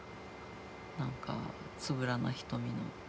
なんかつぶらな瞳の。